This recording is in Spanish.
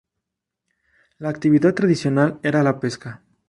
La actividad tradicional era la pesca.